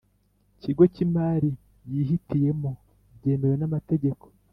Ikigo Cy imari yihitiyemo byemewe n amategeko [